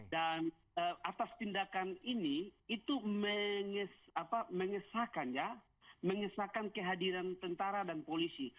dan atas tindakan ini itu mengesahkan ya mengesahkan kehadiran tentara dan polisi